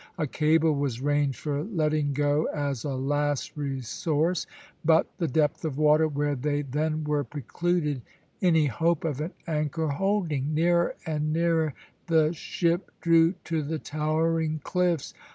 A cable was ranged for letting go as a last resource, but the depth of water where they then were precluded any hope of an anchor holding. Nearer and nearer the ship drew to the towering cliffs.